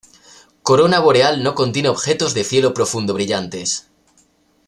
Corona Boreal no contiene objetos de cielo profundo brillantes.